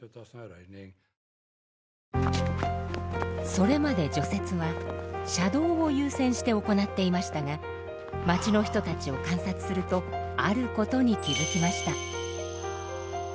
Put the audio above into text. それまで除雪は車道を優先して行っていましたが町の人たちを観察するとあることに気づきました。